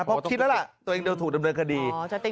เพราะคิดแล้วล่ะตัวเองจะถูกดำเนินคดี